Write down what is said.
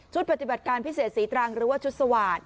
ปฏิบัติการพิเศษศรีตรังหรือว่าชุดสวาสตร์